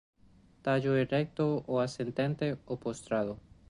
Tallo erecto o ascendente o postrado.